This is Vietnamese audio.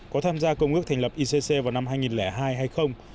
có tham gia công ước thành lập icc vào năm hai nghìn hai hay không